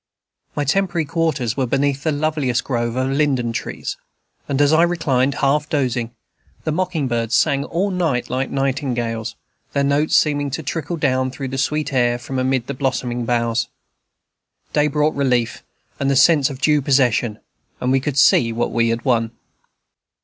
My temporary quarters were beneath the loveliest grove of linden trees, and as I reclined, half dozing, the mocking birds sang all night like nightingales, their notes seeming to trickle down through the sweet air from amid the blossoming boughs. Day brought relief and the sense of due possession, and we could see what we had won.